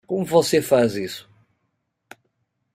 Como você faz isso?